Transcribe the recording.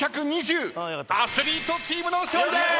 アスリートチームの勝利です！